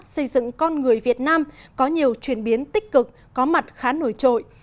xây dựng con người việt nam có nhiều chuyển biến tích cực có mặt khá nổi trội